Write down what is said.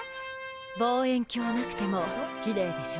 望遠鏡なくてもきれいでしょ？